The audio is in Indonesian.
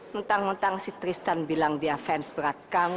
mentang mentang si tristan bilang dia fans berat kamu